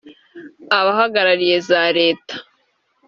abahagarariye za leta